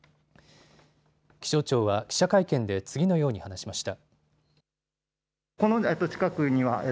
気象庁は記者会見で次のように話しました。